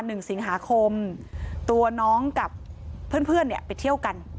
หนึ่งสิงหาคมตัวน้องกับเพื่อนเพื่อนเนี่ยไปเที่ยวกัน